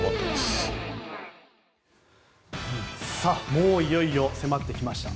もういよいよ迫ってきました。